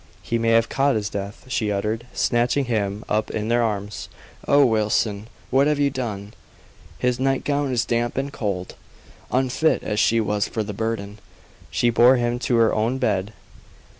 "He may have caught his death!" she uttered, snatching him up in her arms. "Oh, Wilson! What have you done? His night gown is damp and cold." Unfit as she was for the burden, she bore him to her own bed.